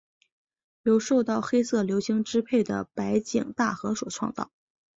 由受到黑色流星支配的白井大和所创造。